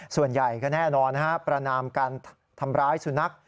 ส่วนใหญ่ก็แน่นอนประนามการทำร้ายสุนัข